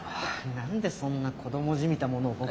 何でそんな子供じみたものを僕が。